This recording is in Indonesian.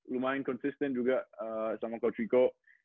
lumayan konsisten juga sama coach rico